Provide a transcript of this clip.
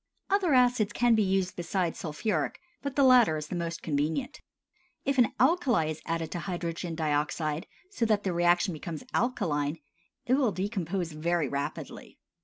Other acids can be used besides sulphuric, but the latter is the most convenient. If an alkali is added to hydrogen dioxide so that the reaction becomes alkaline, it will decompose very rapidly.